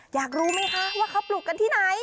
อยากรู้ไหมคะว่าเขาปลูกกันที่ไหน